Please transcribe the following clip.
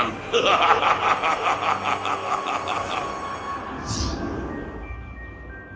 mengacau black lord